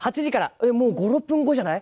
えっ、もう５、６分後じゃない？